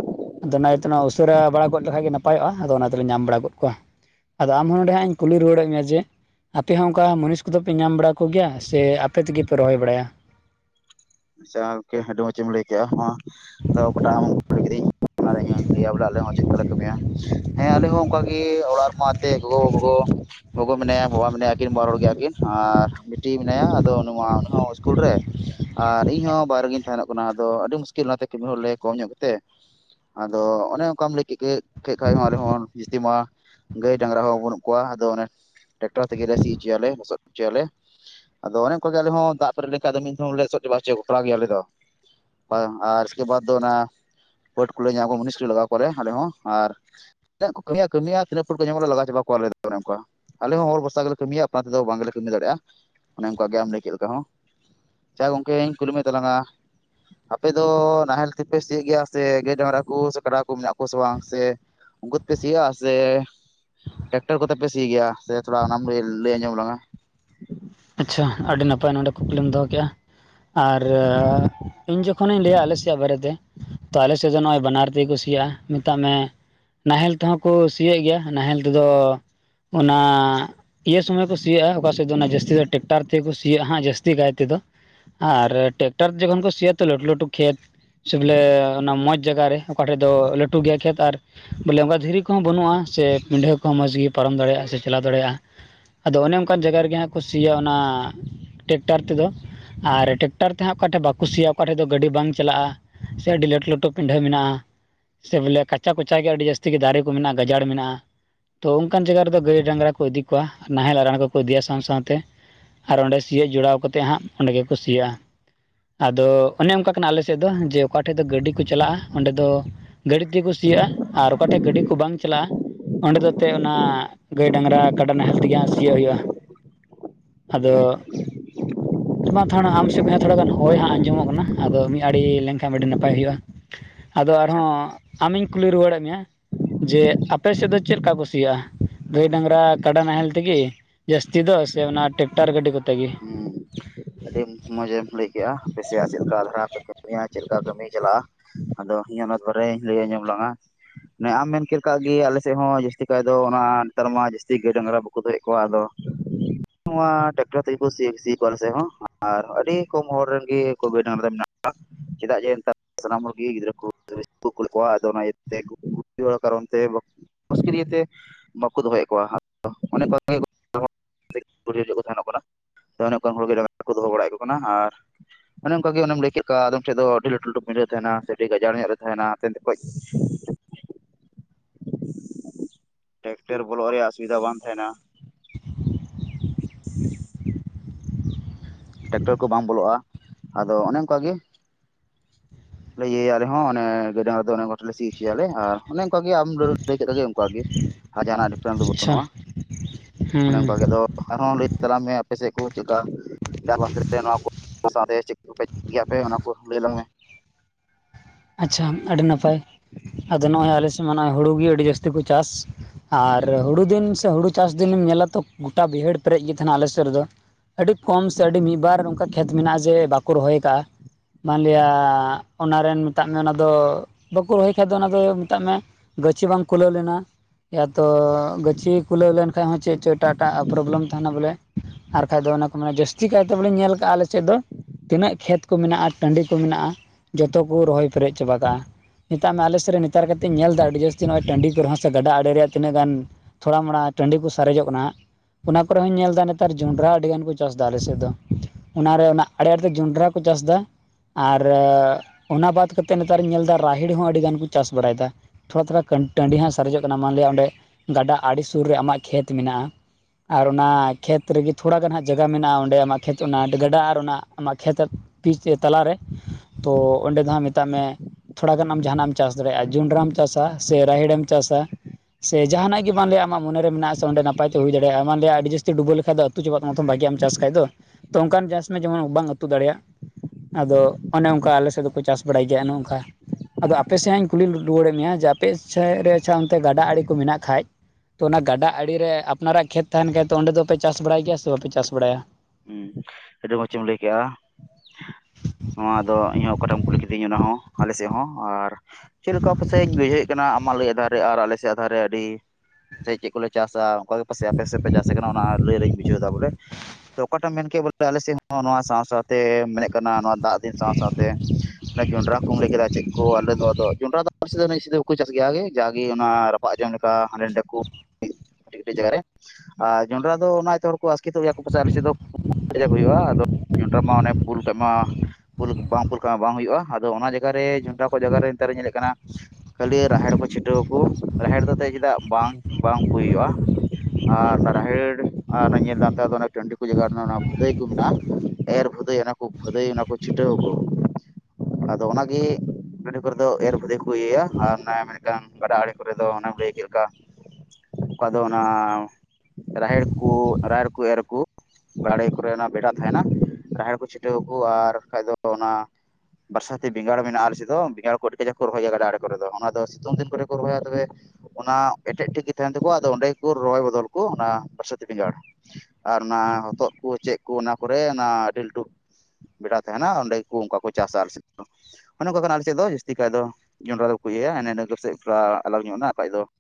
ᱫᱚᱱᱟ ᱮᱛᱱᱟ ᱩᱥᱟᱹᱨᱟ ᱵᱟᱲᱟ ᱜᱚᱫ ᱞᱮᱠᱷᱟᱡ ᱜᱮ ᱱᱟᱯᱟᱭᱚᱜᱼᱟ, ᱟᱫᱚ ᱚᱱᱟ ᱛᱮᱦᱚᱞᱤᱧ ᱧᱟᱢ ᱵᱟᱲᱟ ᱜᱚᱫ ᱠᱚᱣᱟ ᱾ ᱟᱫᱚ ᱟᱢᱦᱚᱸ ᱱᱚᱸᱰᱮ ᱦᱟᱸᱜ ᱤᱧ ᱠᱩᱞᱤ ᱨᱩᱣᱟᱹᱲᱮᱫ ᱢᱮᱭᱟ ᱡᱮ ᱟᱯᱮ ᱦᱚᱸ ᱚᱱᱠᱟ ᱢᱩᱱᱤᱥ ᱠᱚᱫᱚ ᱯᱮ ᱧᱟᱢ ᱵᱟᱲᱟ ᱠᱚᱜᱮᱭᱟ ᱥᱮ ᱟᱯᱮ ᱛᱮᱜᱮ ᱯᱮ ᱨᱚᱦᱚᱭ ᱵᱟᱲᱟᱭᱟ ᱾ [unintelligible] ᱟᱹᱰᱤ ᱢᱚᱸᱡ ᱮᱢ ᱞᱟᱹᱭ ᱠᱮᱜᱼᱟ, ᱦᱚᱸ ᱾ ᱟᱫᱚ ᱜᱚᱴᱟ [unintelligible] ᱠᱩᱞᱤ ᱠᱤᱫᱟᱹᱧ ᱟᱨ ᱤᱧ ᱦᱚᱧ ᱞᱟᱹᱭᱟ ᱵᱚᱞᱮ ᱟᱞᱮ ᱦᱚᱸ ᱪᱮᱫ ᱠᱟᱞᱮ ᱠᱟᱹᱢᱤᱭᱟ ᱾ ᱦᱮᱸ ᱟᱞᱮ ᱦᱚᱸ ᱚᱱᱠᱟᱜᱮ ᱚᱲᱟᱜ ᱨᱮᱢᱟ ᱛᱮ ᱜᱚᱜᱚ [unintelligible] ᱜᱚᱜᱚ ᱢᱮᱱᱟᱭᱟ ᱵᱟᱵᱟ ᱢᱮᱱᱟᱭᱟ ᱟᱠᱤᱱ ᱵᱟᱨ ᱦᱚᱲ ᱜᱮᱭᱟ ᱠᱤᱱ, ᱟᱨ ᱵᱤᱴᱤ ᱢᱮᱱᱟᱭᱟ ᱟᱫᱚ ᱱᱚᱣᱟ ᱩᱱᱤ ᱦᱚᱸ ᱤᱥᱠᱩᱞ ᱨᱮ ᱾ ᱟᱨ ᱤᱧᱦᱚᱸ ᱵᱟᱭᱨᱮᱜᱤᱧ ᱛᱟᱦᱮᱱᱚᱜ ᱠᱟᱱᱟ ᱟᱫᱚ ᱟᱹᱰᱤ ᱢᱩᱥᱠᱤᱞ ᱚᱱᱟᱛᱮ ᱠᱟᱹᱢᱤ ᱦᱚᱲ ᱞᱮ ᱠᱚᱢ ᱧᱚᱜ ᱛᱮ ᱟᱫᱚ ᱚᱱᱮ ᱚᱱᱠᱟᱢ ᱞᱟᱹᱭ ᱠᱮᱠᱷ ᱠᱷᱟᱡ ᱠᱟᱭ ᱦᱚ ᱟᱞᱮ ᱦᱚᱸ ᱡᱟᱹᱥᱛᱤ ᱢᱟ ᱜᱟᱹᱭ ᱰᱟᱝᱜᱨᱟ ᱦᱚᱸ ᱵᱟᱹᱱᱩᱜ ᱠᱚᱣᱟ, ᱟᱫᱚ ᱚᱱᱮ ᱴᱮᱠᱴᱚᱨ ᱛᱮᱜᱮ ᱥᱤ ᱚᱪᱚᱭᱟᱞᱮ ᱞᱚᱥᱚᱫ ᱚᱪᱚᱭᱟᱞᱮ ᱾ ᱟᱫᱚ ᱚᱱᱮ ᱚᱱᱠᱟ ᱜᱮ ᱟᱞᱮ ᱦᱚᱸ ᱫᱟᱜ ᱯᱮᱨᱮ ᱞᱮᱠᱷᱟ ᱫᱚ ᱢᱤᱫ ᱦᱚᱰ ᱞᱚᱥᱚᱫ ᱪᱟᱵᱟ ᱜᱷᱚᱯᱲᱟ ᱜᱮᱭᱟ ᱟᱞᱮ ᱫᱚ ᱾ ᱟᱨ ᱤᱥᱠᱮ ᱵᱟᱫᱽ ᱫᱚ ᱚᱱᱟ, ᱯᱟᱹᱴ ᱠᱚᱞᱮ ᱧᱟᱢ ᱚᱜ ᱢᱩᱱᱤᱥᱞᱮ ᱞᱟᱜᱟᱣ ᱠᱚᱨᱮ ᱟᱞᱮ ᱦᱚᱸ ᱟᱨ ᱛᱤᱱᱟᱹᱜ ᱠᱚ ᱠᱟᱹᱤᱭᱟ ᱠᱟᱹᱢᱤᱭᱟ ᱛᱤᱱᱟᱹ ᱯᱚᱨ ᱠᱚ ᱧᱟᱢᱚᱜᱼᱟ ᱞᱟᱜᱟᱣ ᱪᱟᱵᱟ ᱠᱚᱟᱞᱮ ᱫᱚ ᱚᱱᱮ ᱚᱝᱠᱟ ᱾ ᱟᱞᱮ ᱦᱚᱸ ᱦᱚᱲ ᱵᱷᱚᱨᱥᱟ ᱜᱮᱞᱮ ᱠᱟᱹᱢᱤᱭᱟ ᱟᱯᱱᱟ ᱛᱮᱫᱚ ᱵᱟᱝᱜᱞᱮ ᱠᱟᱹᱢᱤ ᱫᱟᱲᱮᱭᱟᱜᱼᱟ, ᱚᱱᱮ ᱚᱱᱠᱟ ᱜᱮᱢ ᱞᱟᱹᱭ ᱠᱮᱫ ᱞᱮᱠᱟ ᱦᱚᱸ ᱾ ᱪᱟ ᱜᱚᱝᱠᱮᱧ ᱠᱩᱞᱤ ᱢᱮ ᱛᱟᱞᱟᱝᱟ ᱾ ᱟᱯᱮ ᱫᱚ ᱱᱟᱦᱮᱞ ᱛᱮᱯᱮ ᱥᱤ ᱜᱮᱭᱟ ᱥᱮ ᱜᱟᱹᱭ ᱰᱟᱝᱜᱨᱟ ᱠᱚ ᱥᱮ ᱠᱟᱰᱟ ᱠᱚ ᱢᱮᱱᱟᱜ ᱠᱚ ᱥᱮ ᱵᱟᱝ ᱥᱮ ᱩᱱᱠᱩ ᱯᱮ ᱥᱤᱭᱟ ᱥᱮ ᱴᱮᱠᱴᱚᱨ ᱠᱚ ᱛᱮᱯᱮᱥᱤ ᱜᱮᱭᱟ, ᱥᱮ ᱛᱷᱚᱲᱟᱱᱟᱢ ᱞᱟᱹᱭ ᱞᱟᱹᱭ ᱟᱧᱡᱚᱢ ᱞᱟᱝᱟ ᱾ ᱟᱪᱪᱷᱟ ᱟᱹᱰᱤ ᱱᱟᱯᱟᱭ ᱱᱚᱰᱮ ᱠᱩᱠᱞᱤᱢ ᱫᱚᱦᱚ ᱠᱮᱜᱼᱟ ᱾ ᱟᱨ ᱤᱧ ᱡᱚᱠᱷᱚᱱᱤᱧ ᱞᱟᱹᱭᱟ ᱟᱞᱮ ᱥᱮᱭᱟᱜ ᱵᱟᱨᱮᱛᱮ ᱛᱚ ᱟᱞᱮ ᱥᱮᱫ ᱫᱚ ᱱᱚᱜᱼᱚᱭ ᱵᱟᱱᱟᱨ ᱛᱮᱠᱚ ᱥᱤᱭᱟ ᱢᱮᱛᱟᱜ ᱢᱮ ᱱᱟᱦᱮᱞ ᱛᱮᱦᱚᱸ ᱠᱚ ᱥᱤᱭᱮᱫ ᱜᱮᱭᱟ ᱱᱟᱦᱮᱞ ᱛᱮᱫᱚ ᱚᱱᱟ, ᱤᱭᱟᱹ ᱥᱩᱢᱚᱭ ᱠᱚ ᱥᱤᱭᱟ ᱚᱠᱟ ᱥᱮᱫ ᱫᱚ ᱚᱱᱟ ᱡᱟᱹᱥᱛᱤ ᱫᱚ ᱴᱮᱠᱴᱟᱨ ᱛᱮᱜᱠᱚ ᱥᱤᱭᱟ ᱦᱟᱸᱜ ᱡᱟᱹᱥᱛᱤ ᱠᱟᱭ ᱛᱮᱫᱚ ᱾ ᱟᱨ ᱴᱮᱠᱴᱟᱨ ᱡᱚᱠᱷᱚᱱ ᱠᱚ ᱥᱤᱭᱟ ᱛᱚ ᱞᱟᱹᱴᱩ ᱞᱟᱹᱴᱩ ᱠᱷᱮᱛ ᱥᱤ ᱵᱚᱞᱮ ᱚᱱᱟ ᱢᱚᱡᱽ ᱡᱟᱜᱟ ᱨᱮ ᱚᱠᱟ ᱴᱷᱮᱡ ᱫᱚ ᱞᱟᱹᱴᱩ ᱜᱮᱭᱟ ᱠᱷᱮᱛ ᱟᱨ ᱵᱚᱞᱮ ᱚᱱᱠᱟ ᱫᱷᱤᱨᱤ ᱠᱚᱦᱚᱸ ᱵᱟᱹᱱᱩᱜᱼᱟ ᱥᱮ ᱯᱤᱱᱰᱷᱟᱹ ᱠᱚᱦᱚᱸ ᱢᱚᱸᱡᱽ ᱜᱮ ᱯᱟᱨᱚᱢ ᱫᱟᱲᱮᱭᱟᱜᱼᱟ ᱥᱮ ᱪᱟᱞᱟᱣ ᱫᱟᱲᱮᱭᱟᱜᱼᱟ ᱾ ᱟᱫᱚ ᱚᱱᱮ ᱚᱱᱠᱟᱱ ᱡᱟᱭᱜᱟ ᱨᱮᱜᱮ ᱦᱟᱸᱜ ᱠᱚ ᱥᱤᱭᱟ ᱚᱱᱟ, ᱴᱮᱠᱴᱟᱨ ᱛᱮᱫᱚ ᱾ ᱟᱨ ᱴᱮᱠᱴᱟᱨ ᱛᱮᱦᱟᱸᱜ ᱚᱠᱟ ᱴᱷᱮᱡ ᱵᱟᱠᱚ ᱥᱤᱭᱟ ᱚᱠᱟ ᱴᱷᱮᱡ ᱫᱚ ᱜᱟᱹᱰᱤ ᱵᱟᱝ ᱪᱟᱞᱟᱜᱼᱟ ᱥᱮ ᱟᱹᱰᱤ ᱞᱟᱹᱴᱩ ᱞᱟᱹᱴᱩ ᱯᱤᱰᱷᱟᱹ ᱢᱮᱱᱟᱜᱼᱟ ᱾ ᱥᱮ ᱵᱚᱞᱮ ᱠᱟᱪᱟ ᱠᱚᱪᱟ ᱜᱮ ᱟᱹᱰᱤ ᱡᱟᱹᱥᱛᱤ ᱜᱮ ᱫᱟᱨᱮ ᱠᱚ ᱢᱮᱱᱟᱜᱼᱟ ᱜᱟᱡᱟᱲ ᱢᱮᱱᱟᱜᱼᱟ ᱾ ᱛᱚ ᱚᱱᱠᱟᱱ ᱡᱟᱜᱟ ᱨᱮᱫᱚ ᱜᱟᱹᱭ ᱰᱟᱝᱜᱨᱟ ᱠᱚ ᱤᱫᱤ ᱠᱚᱣᱟ, ᱱᱟᱦᱮᱞ ᱟᱨ ᱟᱨᱟᱲ ᱠᱚᱠᱚ ᱤᱫᱤᱭᱟ ᱥᱟᱶ ᱥᱟᱶ ᱛᱮ ᱟᱨ ᱚᱸᱰᱮ ᱥᱤᱭᱳᱜ ᱡᱚᱲᱟᱣ ᱠᱟᱛᱮ ᱦᱟᱸᱜ ᱚᱸᱰᱮ ᱜᱮᱠᱚ ᱥᱤᱭᱟ ᱾ ᱟᱫᱚ ᱚᱱᱮ ᱚᱱᱠᱟ ᱠᱟᱱᱟ ᱟᱞᱮ ᱥᱮᱫ ᱫᱚ ᱡᱮ ᱚᱠᱟ ᱴᱷᱮ ᱫᱚ ᱜᱟᱹᱰᱤ ᱠᱚ ᱪᱟᱞᱟᱜᱼᱟ, ᱚᱸᱰᱮ ᱫᱚ ᱜᱟᱹᱰᱤ ᱛᱮᱠᱚ ᱥᱤᱭᱼᱟ, ᱟᱨ ᱚᱠᱟ ᱴᱷᱮᱡ ᱜᱟᱹᱰᱤ ᱠᱚ ᱠᱚ ᱵᱟᱝ ᱪᱟᱞᱟᱜᱼᱟ, ᱚᱸᱰᱮ ᱫᱚ ᱮᱛᱟᱦᱮᱫᱚᱱᱟ, ᱜᱟᱹᱭ ᱰᱟᱝᱜᱨᱟ ᱠᱟᱰᱟ ᱱᱟᱦᱮᱞ ᱛᱮᱜᱮ ᱦᱟᱜ ᱥᱤᱭᱟᱜ ᱦᱩᱭᱩᱜᱼᱟ ᱾ ᱟᱫᱚ [inaudible] ᱵᱟᱝ ᱛᱮ ᱟᱢ ᱥᱮᱫ ᱛᱷᱚᱲᱟ ᱜᱟᱱ ᱦᱚᱭ ᱦᱟᱸᱜ ᱟᱸᱡᱚᱢᱚᱜ ᱠᱟᱱᱟ ᱟᱫᱚ ᱢᱤᱫ ᱟᱲᱮ ᱞᱮᱱᱠᱷᱟᱱ ᱟᱹᱰᱤ ᱱᱟᱯᱟᱭ ᱦᱩᱭᱩᱜᱼᱟ ᱾ ᱟᱫᱚ ᱟᱪᱪᱷᱟ ᱟᱨᱦᱚᱸ ᱟᱢᱤᱧ ᱠᱩᱞᱤ ᱨᱩᱣᱟᱹᱲᱫ ᱮᱫ ᱢᱮᱭᱟ ᱾ ᱡᱮ ᱟᱯᱮ ᱥᱮᱫ ᱫᱚ ᱪᱮᱫᱠᱟ ᱠᱚ ᱥᱤᱭᱳᱜᱼᱟ? ᱜᱟᱹᱭ ᱰᱟᱝᱜᱨᱟ ᱠᱟᱰᱟ ᱱᱟᱦᱮᱞ ᱛᱮᱜᱮ? ᱡᱟᱹᱥᱛᱤ ᱫᱚ ᱥᱮ ᱚᱱᱟ ᱴᱮᱠᱴᱟᱨ ᱜᱟᱹᱰᱤ ᱠᱚᱛᱮ ᱜᱮ ᱾ ᱦᱮᱸ ᱟᱹᱰᱤ ᱢᱚᱸᱡᱮᱢ ᱞᱟᱹᱭ ᱠᱮᱜᱼᱟ ᱟᱯ ᱥᱮᱭᱟᱜ ᱪᱮᱫ ᱞᱮᱠᱟ ᱫᱷᱟᱨᱟ ᱯᱮ ᱠᱟᱹᱢᱤᱭᱟ ᱪᱮᱫ ᱞᱮᱠᱟ ᱠᱟᱹᱢᱤᱭ ᱪᱟᱞᱟᱜᱼᱟ ᱾ ᱟᱫᱚ ᱤᱧ ᱚᱱᱟ ᱵᱟᱨᱮᱧ ᱞᱟᱹᱭ ᱟᱸᱡᱚᱢ ᱞᱟᱝᱟ ᱾ ᱚᱱᱮ ᱟᱢ ᱢᱮᱱ ᱠᱟᱜ ᱜᱮ ᱟᱞᱮ ᱥᱮᱫ ᱦᱚᱸ ᱡᱟᱹᱥᱛᱤ ᱠᱟᱭ ᱫᱚ ᱚᱱᱟ ᱱᱮᱛᱟᱨ ᱢᱟ ᱡᱟᱹᱥᱛᱤ ᱜᱟᱹᱭ ᱰᱟᱝᱜᱨᱟ ᱵᱟᱠᱚ ᱫᱚᱦᱚᱭᱮᱫ ᱠᱚᱣᱟ ᱟᱫᱚ ᱱᱚᱣᱟ ᱴᱮᱠᱴᱚᱨ ᱛᱮᱜᱮ ᱠᱚ ᱥᱤ ᱥᱤ ᱠᱚᱣᱟ ᱟᱞᱮᱥᱮᱜ ᱦᱚᱸ ᱾ ᱟᱨ ᱟᱹᱰᱤ ᱠᱚᱢ ᱦᱚᱲ ᱨᱮᱱ ᱜᱮ ᱜᱟᱹᱭ ᱰᱟᱝᱜᱨᱟ ᱢᱮᱱᱟᱜ ᱠᱚᱣᱟ ᱾ ᱪᱮᱫᱟᱜ ᱡᱮ ᱱᱮᱛᱟᱨ ᱥᱟᱱᱟᱢ ᱦᱚᱲᱜᱮ ᱜᱤᱫᱽᱨᱟᱹ ᱤᱥᱠᱩᱞ ᱠᱚ ᱠᱩᱞᱮᱜ ᱠᱚᱣᱟ ᱟᱫᱚ ᱚᱱᱟ ᱤᱭᱟᱹᱛᱮ ᱠᱟᱨᱚᱱ ᱛᱮ ᱢᱩᱥᱠᱤᱞ ᱤᱭᱟᱹᱛᱮ ᱵᱟᱠᱚ ᱫᱚᱦᱚᱭᱮᱫ ᱠᱚᱣᱟ, ᱚᱱᱮ ᱵᱟᱝ [inaudible] ᱚᱱᱮ ᱚᱱᱠᱟ ᱜᱮ ᱚᱱᱮᱢ ᱞᱟᱹᱭ ᱠᱮᱫ ᱞᱮᱠᱟ ᱟᱫᱚᱢ ᱴᱷᱮᱡ ᱫᱚ ᱟᱹᱰᱤ ᱞᱟᱹᱴᱩ ᱞᱟᱹᱢ ᱨᱮ ᱛᱟᱦᱮᱱᱟ ᱥᱮ ᱟᱹᱰᱤ ᱜᱟᱡᱟᱲ ᱧᱚᱜ ᱨᱮ ᱛᱟᱦᱮᱱᱟ ᱦᱮᱱ ᱠᱷᱚᱡ ᱴᱮᱠᱴᱚᱨ ᱵᱚᱞᱚᱜ ᱨᱮᱭᱟᱜ ᱚᱥᱩᱵᱤᱫᱷᱟ ᱵᱟᱝ ᱛᱟᱦᱮᱸᱱᱟ᱾ ᱴᱮᱠᱴᱚᱨ ᱠᱚ ᱵᱟᱝ ᱵᱚᱞᱚᱜᱼᱟ ᱟᱫᱚ ᱚᱱᱮ ᱚᱱᱠᱟ ᱜᱮ ᱞᱟᱹᱭ ᱤᱭᱟᱹᱭᱟ ᱞᱮ ᱦᱚᱸ ᱚᱱᱮ ᱰᱟᱝ ᱨᱮᱫᱚ ᱚᱱᱮ ᱜᱚᱴ ᱞᱮ ᱥᱤ ᱦᱚᱪᱚᱭᱟᱞᱮ ᱟᱨ ᱚᱱᱮ ᱚᱱᱠᱟ ᱜᱮ ᱟᱢ ᱞᱟᱹᱭ ᱠᱮᱫ ᱜᱮ ᱚᱱᱠᱟᱜ ᱜᱮ, ᱟᱨ ᱡᱟᱦᱟᱱᱟᱜ ᱰᱤᱯᱷᱟᱨᱮᱱᱥ ᱫᱚ ᱟᱪᱪᱷᱟ ᱵᱟᱹᱱᱩᱜᱼᱟ ᱚᱱᱮ ᱦᱮᱸ ᱚᱱᱠᱟᱜ ᱫᱚ ᱟᱨᱦᱚᱸ ᱞᱟᱹᱭ ᱛᱟᱞᱟᱝ ᱢᱮ ᱟᱯᱮ ᱥᱮᱫ ᱠᱚ ᱪᱮᱫᱠᱟ [unintelligible] ᱱᱚᱣᱟ ᱠᱚ ᱥᱟᱶ ᱯᱮ ᱜᱮᱭᱟᱯᱮ ᱚᱱᱟ ᱠᱚ ᱞᱟᱹᱭ ᱞᱟᱝ ᱢᱮ, ᱟᱪᱪᱷᱟ ᱟᱹᱰᱤ ᱱᱟᱯᱟᱭ ᱟᱫᱚ ᱱᱚᱜᱼᱚᱭ ᱟᱞᱮᱥᱮᱫ ᱢᱟ ᱱᱚᱜᱼᱚᱭ ᱦᱩᱲᱩ ᱜᱮ ᱟᱹᱰᱤ ᱡᱟᱹᱥᱛᱤ ᱠᱚ ᱪᱟᱥ᱾ ᱟᱨ ᱦᱩᱲᱩ ᱫᱤᱱ ᱥᱮ ᱦᱩᱲᱩ ᱪᱟᱥ ᱫᱤᱱᱮᱢ ᱧᱮᱞᱟ ᱛᱚ ᱜᱚᱴᱟ ᱵᱟᱹᱭᱦᱟᱹᱲ ᱯᱮᱨᱮᱡ ᱜᱮ ᱛᱟᱦᱮᱱᱟ ᱟᱞᱮ ᱥᱮᱫ ᱨᱮᱫᱚ᱾ ᱟᱹᱰᱤ ᱠᱚᱢ ᱥᱮ ᱟᱹᱰᱤ ᱢᱤᱫ ᱵᱟᱨ ᱚᱱᱠᱟ ᱠᱷᱮᱛ ᱢᱮᱱᱟᱜᱼᱟ ᱡᱮ ᱵᱟ ᱠᱚ ᱨᱚᱦᱚᱭ ᱟᱠᱟᱜᱼᱟ, ᱢᱟᱱᱞᱤᱭᱟ ᱚᱱᱟ ᱨᱮᱱ ᱢᱮᱛᱟᱜ ᱢᱮ ᱚᱱᱟ ᱫᱚ ᱵᱟᱠᱚ ᱨᱚᱦᱚᱭ ᱠᱷᱟᱡ ᱫᱚ ᱚᱱᱟ ᱫᱚ ᱢᱮᱛᱟᱜ ᱢᱮ ᱜᱟᱹᱪᱷᱤ ᱵᱟᱝ ᱠᱩᱞᱟᱹᱣ ᱞᱮᱱᱟ᱾ [unintelligible] ᱜᱟᱹᱪᱷᱤ ᱠᱩᱞᱟᱹᱣ ᱞᱮᱱᱠᱷᱟᱡ ᱦᱚᱸ ᱪᱮᱫ ᱪᱚ ᱮᱴᱟᱜ ᱮᱴᱟᱜ ᱯᱨᱚᱵᱞᱮᱢ ᱛᱟᱦᱮᱱᱟ ᱵᱚᱞᱮ ᱟᱨᱠᱟᱱ ᱫᱚ ᱚᱱᱟ ᱚᱱᱟ ᱡᱟᱹᱥᱛᱤ ᱠᱟᱭᱛᱮ ᱵᱚᱞᱮ ᱧᱮᱞ ᱠᱟᱜᱼᱟ ᱟᱞᱮ ᱥᱮᱫ ᱫᱚ᱾ ᱛᱤᱱᱟᱹᱜ ᱠᱷᱮᱛ ᱠᱚ ᱢᱮᱱᱟᱜᱼᱟ ᱴᱟᱺᱰᱤ ᱠᱚ ᱢᱮᱱᱟᱜᱼᱟ ᱡᱚᱛᱚ ᱠᱚ ᱨᱚᱦᱚᱭ ᱯᱮᱨᱮᱡ ᱪᱟᱵᱟ ᱠᱟᱜᱼᱟ ᱢᱮᱛᱟᱜ ᱢᱮ ᱟᱞᱮᱥᱮᱫ ᱨᱮ ᱱᱮᱛᱟᱨ ᱠᱟ ᱠᱟᱛᱮᱧ ᱧᱮᱞ ᱮᱫᱟ ᱟᱹᱰᱤ ᱡᱟᱹᱥᱛᱤᱜᱼ ᱴᱟᱺᱰᱤ ᱨᱮᱦᱚᱸ ᱥᱮ ᱜᱟᱰᱟ ᱟᱲᱮ ᱨᱮᱭᱟᱜ ᱛᱤᱱᱟᱹᱜ ᱜᱟᱱ ᱛᱷᱚᱲᱟ ᱢᱚᱲᱟ ᱴᱟᱺᱰᱤ ᱠᱚ ᱥᱟᱨᱮᱡᱚᱜ ᱠᱟᱱᱟ, ᱚᱱᱟ ᱠᱚᱨᱮ ᱦᱚᱧ ᱧᱮᱞ ᱫᱟ ᱱᱮᱛᱟᱨ ᱡᱚᱱᱰᱨᱟ ᱟᱹᱰᱤ ᱜᱟᱱ ᱠᱚ ᱪᱟᱥ ᱮᱫᱟ ᱟᱞᱮ ᱥᱮᱫ ᱫᱚ᱾ ᱚᱱᱟᱨᱮ ᱚᱱᱟ ᱟᱲᱮ ᱟᱲᱛᱮ ᱡᱚᱸᱰᱨᱟ ᱠᱚ ᱪᱟᱥᱫᱟ, ᱟᱨ ᱚᱱᱟ ᱵᱟᱫ ᱠᱟᱛᱮ ᱠᱟᱛᱮ ᱱᱮᱛᱟᱨᱤᱧ ᱧᱮᱞ ᱮᱫᱟ ᱨᱟᱦᱮᱲ ᱦᱚᱸ ᱟᱹᱰᱤ ᱜᱟᱱ ᱠᱚ ᱪᱟᱥ ᱵᱟᱲᱟᱭᱮᱫᱟ᱾ ᱛᱷᱚᱲᱟ ᱛᱷᱚᱲᱟ ᱴᱟᱺᱰᱤ ᱦᱚᱸ ᱥᱟᱨᱮᱡᱚᱜ ᱠᱟᱱᱟ ᱢᱟᱱᱞᱤᱭᱟ ᱚᱸᱰᱮ ᱜᱟᱰᱟ ᱟᱹᱰᱤ ᱥᱩᱨ ᱨᱮ ᱟᱢᱟᱜ ᱠᱷᱮᱛ ᱢᱮᱱᱟᱜᱼᱟ, ᱟᱨ ᱚᱱᱟ ᱠᱷᱮᱛ ᱨᱮᱜᱮ ᱛᱷᱚᱲᱟᱜᱟᱱ ᱦᱟᱸᱜ ᱡᱟᱭᱜᱟ ᱢᱮᱱᱟᱜᱼᱟ ᱚᱸᱰᱮ ᱟᱢᱟᱜ ᱠᱷᱮᱛ ᱚᱱᱟ ᱜᱟᱰᱟ ᱟᱨ ᱚᱱᱟ ᱟᱢᱟᱜ ᱠᱷᱮᱛ ᱯᱤᱪ ᱛᱟᱞᱟᱨᱮ ᱛᱚ ᱚᱸᱰᱮ ᱡᱟᱦᱟᱸ ᱢᱮᱛ ᱢᱮᱛᱟᱜ ᱢᱮ ᱛᱷᱚᱲᱟ ᱜᱟᱱ ᱟᱢ ᱡᱟᱦᱟᱱᱟᱜ ᱮᱢ ᱪᱟᱥ ᱫᱟᱲᱮᱭᱟᱜᱼᱟ ᱡᱚᱸᱰᱨᱟᱢ ᱪᱟᱥᱟ ᱥᱮ ᱨᱟᱦᱮᱲᱮᱢ ᱪᱟᱥᱟ, ᱥᱮ ᱡᱟᱦᱱᱟᱜ ᱜᱮ ᱢᱟᱱᱞᱤᱭᱟ ᱟᱢᱟᱜ ᱢᱚᱱᱮᱨᱮ ᱢᱮᱱᱟᱜ ᱟ ᱥᱮ ᱚᱸᱰᱮ ᱱᱟᱯᱟᱭ ᱛᱮ ᱦᱩᱭ ᱫᱟᱲᱭᱟᱜᱼᱟ ᱢᱟᱱᱞᱮᱭᱟ ᱟᱹᱰᱤ ᱡᱟᱹᱥᱛᱤ ᱰᱩᱵᱟᱹᱣ ᱞᱮᱠᱷᱟᱡ ᱫᱚ, ᱩᱛᱩ ᱪᱟᱵᱟᱜ ᱛᱟ ᱵᱷᱟᱜᱭᱟᱜ ᱮᱢ ᱪᱟᱥ ᱠᱷᱟᱡ ᱫᱚ ᱛᱚ ᱚᱱᱠᱟᱱ ᱪᱟᱥ ᱢᱮ ᱡᱮᱢᱚᱱ ᱵᱟᱝ ᱩᱛᱩ ᱫᱟᱲᱮᱭᱟᱜ᱾ ᱟᱫᱚ ᱚᱱᱮ ᱚᱱᱠᱟ ᱟᱞᱮ ᱥᱮᱫ ᱫᱚᱠᱚ ᱪᱟᱥ ᱵᱟᱲᱟᱭ ᱜᱮᱭᱟ ᱚᱱᱮ ᱚᱝᱠᱟ᱾ ᱟᱫᱚ ᱟᱯᱮ ᱥᱮᱫ ᱤᱧ ᱠᱩᱞᱤ ᱨᱩᱣᱟᱹᱲᱮᱫ ᱢᱮᱭᱟ ᱡᱮ ᱟᱯᱮ ᱥᱮᱫ ᱨᱮ ᱟᱪᱷᱟ ᱚᱱᱛᱮ ᱜᱟᱰᱟ ᱟᱲᱮ ᱠᱚ ᱢᱮᱱᱟᱜ ᱠᱷᱟᱡ ᱛᱚ ᱚᱱᱟ ᱜᱟᱰᱟ ᱟᱲᱮᱨᱮ ᱟᱯᱱᱟᱨᱟᱜ ᱠᱷᱮᱛ ᱛᱟᱦᱮᱱ ᱠᱷᱟᱡ ᱛᱚ ᱚᱸᱰᱮ ᱫᱚ ᱯᱮ ᱪᱟᱥ ᱵᱟᱲᱟᱭ ᱜᱮᱭᱟ ᱥᱮ ᱵᱟᱯᱮ ᱪᱟᱥ ᱵᱟᱲᱟᱭᱟ? ᱦᱩᱸ ᱟᱹᱰᱤ ᱢᱚᱸᱡ ᱮᱢ ᱞᱟᱹᱭ ᱠᱮᱜᱼᱟ᱾ ᱱᱚᱣᱟ ᱫᱚ ᱤᱧ ᱦᱚᱸ ᱚᱠᱟᱴᱟᱜ ᱮᱢ ᱠᱩᱞᱤ ᱠᱤᱫᱤᱧ ᱚᱱᱟ ᱦᱚᱸ ᱟᱞᱮ ᱥᱮᱫ ᱦᱚᱸ ᱟᱨ ᱪᱮᱫ ᱞᱮᱠᱟ ᱯᱟᱥᱮᱡ ᱤᱧ ᱵᱩᱡᱷᱟᱹᱣᱮᱫ ᱠᱟᱱᱟ ᱟᱢᱟᱜ ᱞᱟᱹᱭ ᱫᱷᱟᱨ ᱟᱨ ᱟᱞᱮᱥᱭᱟᱜ ᱟ ᱫᱷᱟᱨᱮ ᱟᱹᱰᱤ ᱥᱮ ᱪᱮᱫ ᱠᱚᱞᱮ ᱪᱟᱥᱟ, ᱚᱠᱟ ᱜᱮ ᱟᱯᱮ ᱥᱮᱫ ᱯᱮ ᱪᱟᱥ ᱟᱠᱟᱱᱟ ᱚᱱᱟ ᱞᱟᱹᱭ ᱨᱮᱧ ᱵᱩᱡᱷᱟᱹᱣ ᱮᱫᱟ ᱵᱚᱞᱮ᱾ ᱚᱠᱟᱴᱟᱜ ᱮᱢ ᱢᱮᱱ ᱠᱮᱫᱟ ᱵᱚᱞᱮ ᱟᱞᱮ ᱥᱮᱫ ᱦᱚᱸ ᱱᱚᱣᱟ ᱥᱟᱶ ᱥᱟᱶᱛᱮ ᱢᱮᱱᱮᱫ ᱠᱟᱱᱟ ᱱᱚᱣᱟ ᱫᱟᱜ ᱫᱤᱱ ᱥᱟᱶ ᱥᱟᱶᱛᱮ, ᱡᱚᱸᱰᱨᱟ ᱠᱚᱢ ᱞᱟᱹᱭ ᱠᱮᱫᱟ ᱪᱮᱫ ᱠᱚ ᱟᱞᱮ ᱡᱚᱱᱰᱨᱟ ᱪᱟᱥ ᱜᱮᱭᱟ, ᱡᱟᱜᱮ ᱚᱱᱟ ᱜᱟᱯᱟ ᱡᱚᱢ ᱞᱮᱠᱟ [inaudible] ᱟᱨ ᱡᱚᱱᱰᱨᱟ ᱫᱚ ᱚᱱᱟᱛᱮ ᱦᱚᱲ ᱠᱚ ᱟᱥᱠᱮᱛᱚᱜ ᱜᱮᱭᱟ ᱠᱚ, ᱟᱞᱮ ᱥᱮᱫ ᱫᱚ ᱠᱟᱡᱟᱠ ᱦᱩᱭᱩᱜᱼᱟ ᱟ ᱡᱚᱱᱰᱨᱟ ᱢᱟ ᱚᱱᱮ [inaudible] ᱢᱟ ᱯᱩ ᱵᱟᱝ ᱯᱩ ᱞᱮᱠᱷᱟᱱ ᱵᱟᱝ ᱦᱩᱭᱩᱜᱼᱟ ᱟᱫᱚ ᱚᱱᱟ ᱡᱟᱭᱜᱟ ᱨᱮ ᱡᱷᱚᱱᱰᱨᱟ ᱡᱟᱭᱜᱟ ᱱᱮᱛᱟᱨ ᱧᱮᱞᱮᱫ ᱠᱟᱱᱟ ᱠᱷᱟᱹᱞᱤ ᱨᱟᱦᱮᱲ ᱠᱚ ᱪᱷᱤᱴᱟᱹᱣ ᱟᱠᱚ ᱨᱟᱦᱮᱲ ᱫᱚᱛᱮᱫ ᱪᱮᱫᱟᱜ ᱵᱟᱝ ᱵᱟᱝ ᱯᱩ ᱦᱩᱭᱩᱜᱼᱟ᱾ ᱟᱨ ᱨᱟᱦᱮᱲ [inaudible] ᱴᱟᱺᱰᱤ ᱠᱚ ᱡᱟᱭᱜᱟ ᱨᱮᱱᱟᱜ ᱚᱱᱟ ᱵᱷᱟᱹᱫᱟᱹᱭ ᱠᱚ ᱢᱮᱱᱟᱜᱼᱟ ᱮᱨ ᱵᱷᱟᱹᱫᱟᱹᱭ ᱚᱱᱟ ᱠᱚ ᱵᱷᱟᱹᱫᱟᱹᱭ ᱚᱱᱟ ᱠᱚ ᱪᱷᱤᱴᱟᱹᱣ ᱟᱠᱚ, ᱟᱫᱚ ᱚᱱᱟᱜᱮ, ᱠᱚᱨᱮ ᱫᱚ ᱮᱨ ᱵᱩᱫᱤ ᱠᱚ ᱤᱭᱟᱹᱭᱟ ᱟᱨ ᱢᱮᱱᱠᱷᱟᱱ ᱜᱟᱰᱟ ᱟᱲᱮ ᱠᱚᱨᱮ ᱫᱚ ᱚᱱᱟᱮᱢ ᱞᱟᱹᱭ ᱠᱮᱫᱮᱫ ᱞᱮᱠᱟ, ᱚᱠᱟ ᱫᱚ ᱚᱱᱟ ᱨᱟᱦᱮᱲ ᱠᱚ ᱨᱟᱦᱮᱲ ᱠᱚ ᱮᱨ ᱠᱚ, ᱟᱲᱮ ᱠᱚᱨᱮ ᱚᱱᱟ ᱵᱮᱰᱟ ᱛᱟᱦᱮᱱᱟ ᱨᱟᱦᱮᱲ ᱠᱚ ᱪᱷᱤᱴᱟᱹᱣ ᱟᱠᱚ ᱟᱨ ᱵᱟ ᱠᱷᱟᱡ ᱫᱚ ᱚᱱᱟ ᱵᱟᱨᱥᱟᱛᱤ ᱵᱮᱸᱜᱟᱲ ᱢᱮᱱᱟᱜᱼᱟ ᱟᱨ ᱥᱮᱫ ᱫᱚ ᱵᱮᱸᱟᱲ ᱠᱚ ᱟᱹᱰᱤ ᱠᱟᱡᱟᱠ ᱠᱚ ᱨᱚᱦᱚᱭᱟ ᱜᱟᱰᱟ ᱟᱲᱮ ᱠᱚᱨᱮ ᱫᱚ ᱚᱱᱟ ᱫᱚ ᱥᱤᱛᱩᱝ ᱫᱤᱱ ᱠᱚᱨᱮ ᱠᱚ ᱨᱚᱦᱚᱭᱟ ᱛᱚᱵ᱾ ᱚᱱᱟ ᱮᱴᱮᱫ ᱴᱷᱤᱠ ᱜᱮ ᱛᱟᱦᱮᱱ ᱛᱟᱠᱚᱣᱟ ᱟᱫᱚ ᱚᱸᱰᱮ ᱜᱮᱠᱚ ᱨᱚᱦᱚᱭ ᱵᱚᱫᱚᱞ ᱠᱚ ᱚᱱᱟ ᱵᱟᱨᱥᱚᱛᱤ ᱵᱮᱸᱜᱟᱲ᱾ ᱟᱨ ᱚᱱᱟ ᱦᱚᱛᱚᱫ ᱠᱚ ᱪᱮᱫ ᱠᱚ ᱚᱱᱟ ᱠᱚᱨᱮ ᱚᱱᱟ ᱟᱹᱰᱤ ᱞᱟᱹᱴᱩ ᱵᱮᱰᱟ ᱛᱟᱦᱮᱱᱟ ᱚᱸᱰᱮ ᱜᱮ ᱠᱚ ᱚᱱᱠᱟ ᱠᱚ ᱪᱟᱥᱟ ᱟᱞᱫ‌ ᱥᱮᱫ ᱫᱚ᱾ ᱚᱱᱮ ᱚᱱᱠᱟ ᱠᱟᱱᱟ ᱟᱞᱮᱮᱫ ᱫᱚ ᱡᱟᱹᱥᱛᱤ ᱠᱷᱟᱡ ᱫᱚ ᱡᱚᱸᱰᱨᱟ ᱫᱚᱠᱚ ᱟᱹᱜᱼᱟ ᱮᱮᱹᱚᱨ ᱥᱮᱫ ᱛᱷᱟ ᱟᱞᱟᱜᱽ ᱧᱚᱜ ᱱᱟ ᱮᱱᱟ᱾ ᱵᱟ ᱠᱷᱷᱟᱡ ᱫᱚ